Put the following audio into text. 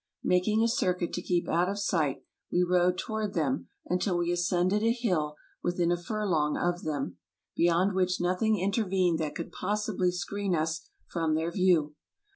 Making a circuit to keep out of sight we rode toward them until we ascended a hill within a furlong of them, beyond which nothing intervened that could possibly screen us from their view.